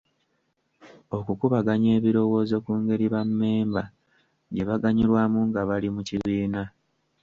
Okukubanganya ebirowoozo ku ngeri bammemba gye baganyulwamu nga bali mu kibiina.